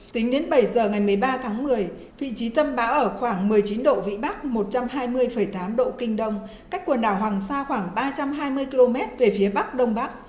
tính đến bảy giờ ngày một mươi ba tháng một mươi vị trí tâm bão ở khoảng một mươi chín độ vĩ bắc một trăm hai mươi tám độ kinh đông cách quần đảo hoàng sa khoảng ba trăm hai mươi km về phía bắc đông bắc